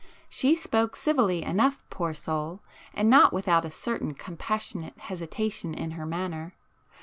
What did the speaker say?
She spoke civilly enough, poor soul, and not without a certain compassionate hesitation in her manner.